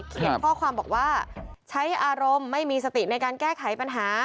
ข้อความบอกว่าใช้อารมณ์ไม่มีสติในการแก้ไขปัญหา